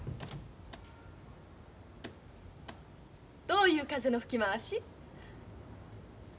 どういう風の吹き回し？